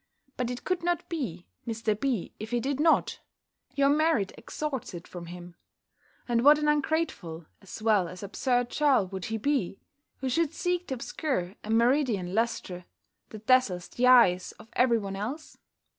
But it could not be Mr. B. if he did not: your merit extorts it from him: and what an ungrateful, as well as absurd churl, would he be, who should seek to obscure a meridian lustre, that dazzles the eyes of every one else?